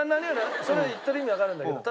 それを言ってる意味わかるんだけど。